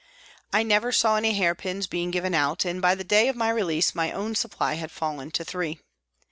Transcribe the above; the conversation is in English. I never saw any hair pins being given out, and by the day of my release my own supply had fallen to three.